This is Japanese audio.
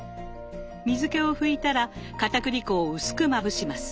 水けを拭いたらかたくり粉を薄くまぶします。